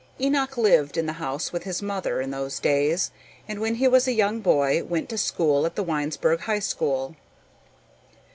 Enoch lived in the house with his mother in those days and when he was a young boy went to school at the Winesburg High School.